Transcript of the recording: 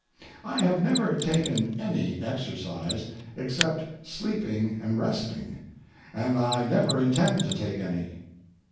I have never taken any exercise, except sleeping and resting, and I never intend to take any.